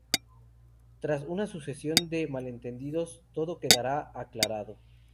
Tras una sucesión de malentendidos todo quedará aclarado.